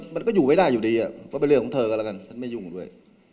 มันก็อยู่ไม่ได้อยู่ดีเพราะเป็นเรื่องของเธอกันแล้วกันฉันไม่ยุ่งด้วย